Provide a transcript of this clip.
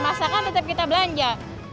masakan tetap kita belanja